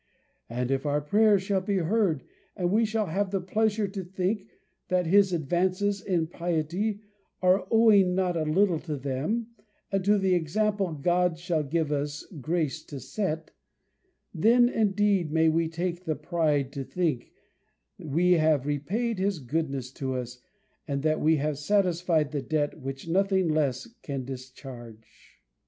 and if our prayers shall be heard, and we shall have the pleasure to think, that his advances in piety are owing not a little to them, and to the example God shall give us grace to set; then, indeed, may we take the pride to think, we have repaid his goodness to us, and that we have satisfied the debt, which nothing less can discharge.